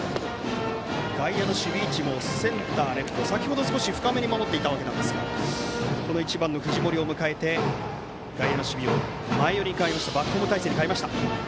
外野の守備位置もセンター、レフトは先程少し深めに守っていましたが１番の藤森を迎えて外野の守備を前寄りのバックホーム態勢に変えました。